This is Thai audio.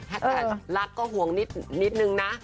ถ้าจะรักก็ห่วงนิดหนึ่งนะ